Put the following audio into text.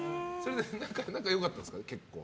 仲良かったんですか？